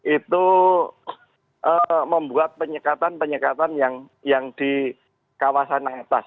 itu membuat penyekatan penyekatan yang di kawasan atas